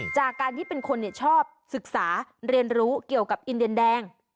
จากการที่เป็นคนชอบศึกษาเรียนรู้เกี่ยวกับอินเดียนแดง